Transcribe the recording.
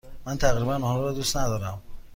من تقریبا آنها را دوست ندارم.